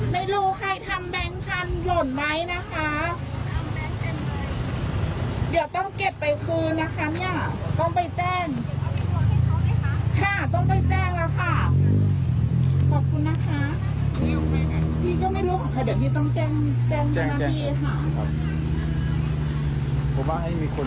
ไม่รู้ใครทำแบงค์พันธุ์หล่นไหมนะคะทำแบงค์เต็มไปเดี๋ยวต้องเก็บไปคืนนะคะเนี่ย